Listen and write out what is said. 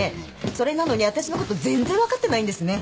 それなのに私のこと全然分かってないんですね。